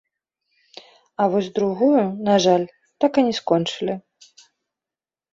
А вось другую, на жаль, так і не скончылі.